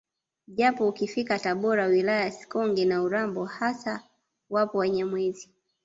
Japo ukifika Tabora wilaya ya Sikonge na Urambo hasa wapo Wanyamwezi